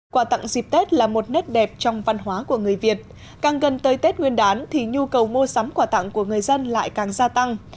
quà tặng dịp tết là một nét đẹp trong văn hóa của người việt càng gần tới tết nguyên đán thì nhu cầu mua sắm quà tặng của người dân lại càng gia tăng